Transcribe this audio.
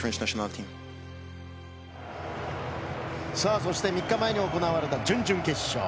そして３日前に行われた準々決勝。